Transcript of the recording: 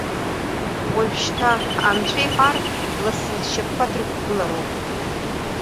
Уажәшьҭа, Анцәа иҳәар, лассы лшьапқәа дрықәгылароуп.